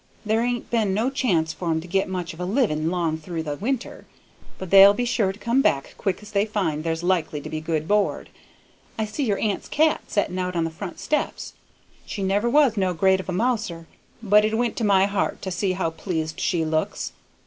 There ain't been no chance for 'em to get much of a living 'long through the winter, but they'll be sure to come back quick as they find there's likely to be good board. I see your aunt's cat setting out on the front steps. She never was no great of a mouser, but it went to my heart to see how pleased she looks!